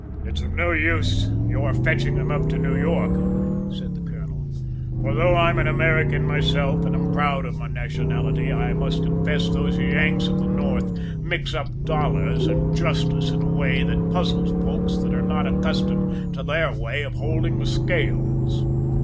"It's of no use your fetching them up to New York," said the colonel, "for though I'm an American myself and am proud of my nationality, I must confess those Yanks of the north mix up dollars and justice in a way that puzzles folk that are not accustomed to their way of holding the scales."